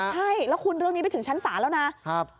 ใช่แล้วคุณเรื่องนี้ไปถึงชั้นศาลแล้วนะ